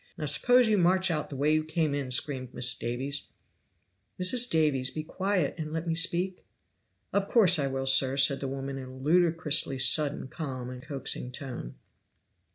Now suppose you march out the way you came in!" screamed Mrs. Davies. "Mrs. Davies, be quiet and let me speak?" "Of course I will, sir," said the woman with a ludicrously sudden calm and coaxing tone.